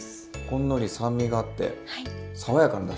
ほんのり酸味があって爽やかなだしですね。